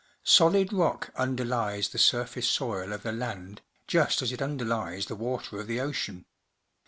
— Solid rock underlies the sur face soil of the land just as it underlies the water of the ocean.